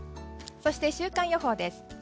そして週間予報です。